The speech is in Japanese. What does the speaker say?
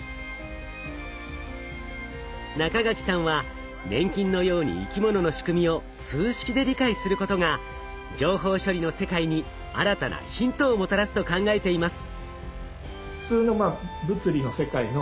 中垣さんは粘菌のように生き物の仕組みを数式で理解することが情報処理の世界に新たなヒントをもたらすと考えています。